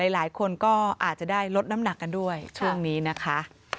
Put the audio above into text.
หลายคนก็อาจจะได้ลดน้ำหนักกันด้วยช่วงนี้นะคะ